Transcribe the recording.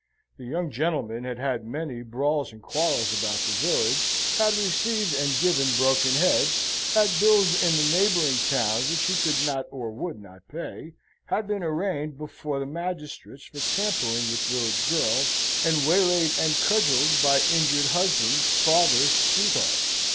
The young gentleman had had many brawls and quarrels about the village, had received and given broken heads, had bills in the neighbouring towns which he could not or would not pay; had been arraigned before the magistrates for tampering with village girls, and waylaid and cudgelled by injured husbands, fathers, sweethearts.